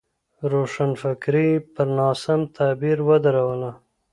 روښانفکري یې پر ناسم تعبیر ودروله.